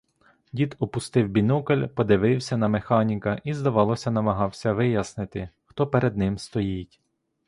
Дід опустив бінокль, подивився на механіка і, здавалося, намагався вияснити, хто перед ним стоїть.